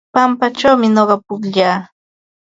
Pampachawmi nuqa pukllaa.